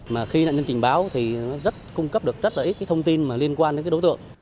mà khi nạn nhân trình báo thì nó rất cung cấp được rất là ít thông tin liên quan đến đối tượng